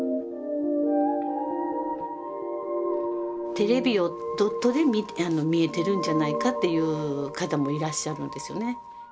テレビをドットで見えてるんじゃないかって言う方もいらっしゃるんですよね。